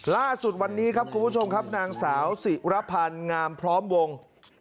ล่าสุดวันนี้ครับคุณผู้ชมครับนางสาวศิรพันธ์งามพร้อมวง